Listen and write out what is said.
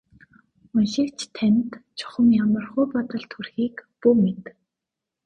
Уншигч танд чухам ямархуу бодол төрүүлэхийг бүү мэд.